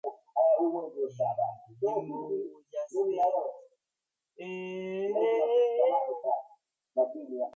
The Versailles introduced two notable features to American-market cars: halogen headlights and clearcoat paint.